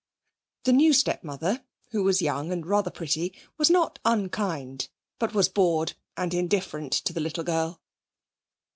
The new stepmother, who was young and rather pretty, was not unkind, but was bored and indifferent to the little girl.